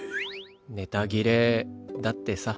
ネタ切れだってさ。